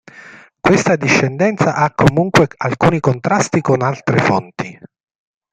Questa discendenza ha comunque alcuni contrasti con altre fonti.